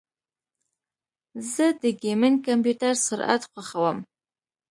زه د ګیمنګ کمپیوټر سرعت خوښوم.